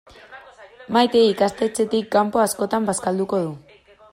Maite ikastetxetik kanpo askotan bazkalduko du.